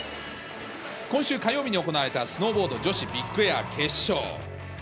今週火曜日に行われた、スノーボード女子ビッグエア決勝。